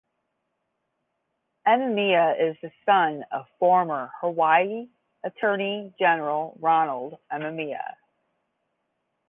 Amemiya is the son of former Hawaii Attorney General Ronald Amemiya.